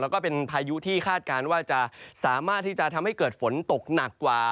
แล้วก็เป็นพายุที่คาดการณ์ว่าจะสามารถที่จะทำให้เกิดฝนตกหนักกว่า